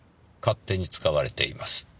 勝手に使われています。